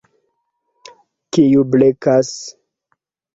Kiu blekas?